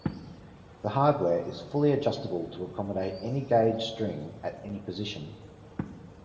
The hardware is fully adjustable to accommodate any gauge string at any position.